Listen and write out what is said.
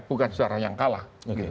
bukan sejarah yang kalah